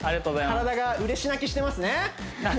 体が嬉し泣きしてますね